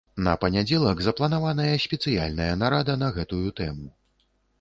На панядзелак запланаваная спецыяльная нарада на гэтую тэму.